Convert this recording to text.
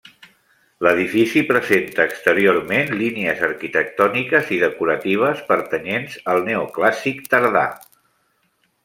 L'edifici presenta exteriorment línies arquitectòniques i decoratives pertanyents al neoclàssic tardà.